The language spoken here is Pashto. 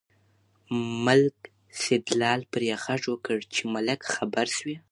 ملک سیدلال پرې غږ وکړ چې ملکه خبر شوې.